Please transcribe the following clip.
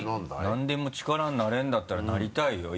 なんでも力になれるんだったらなりたいよ